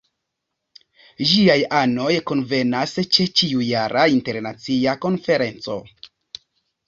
Ĝiaj anoj kunvenas ĉe ĉiujara Internacia Konferenco.